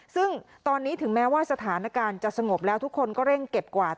ซึ่งตอนนี้ถึงแม้ว่าสถานการณ์จะสงบแล้วทุกคนก็เร่งเก็บกวาด